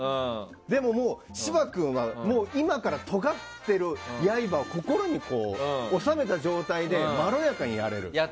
でも、芝君はもう今からとがってる刃を、心に収めた状態で、まろやかにやれる。